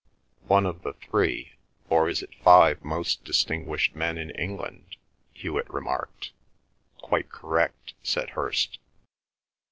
"One of the three, or is it five, most distinguished men in England," Hewet remarked. "Quite correct," said Hirst.